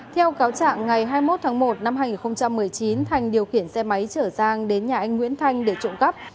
theo cáo trạng ngày hai mươi một tháng một năm hai nghìn một mươi chín thành điều khiển xe máy chở giang đến nhà anh nguyễn thanh để trộm cắp